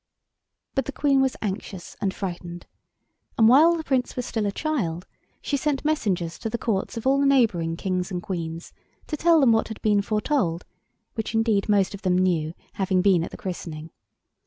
But the Queen was anxious and frightened, and while the Prince was still a child she sent messengers to the Courts of all the neighbouring Kings and Queens to tell them what had been foretold, which, indeed, most of them knew, having been at the christening.